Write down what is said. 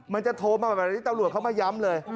มันจะโทรมาแบบนี้ตำรวจเข้ามาย้ำเลย